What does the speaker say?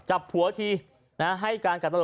จับผัวทีให้การกำหนด